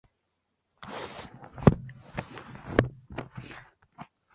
贝尔森布吕克是德国下萨克森州的一个市镇。